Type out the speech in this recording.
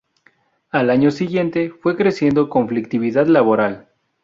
Al año siguiente, fue creciendo conflictividad laboral.